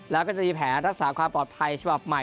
แล้วก็จะมีแผนรักษาความปลอดภัยฉบับใหม่